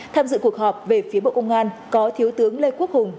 tham dự cuộc họp về phía bộ công an có thiếu tướng lê quốc hùng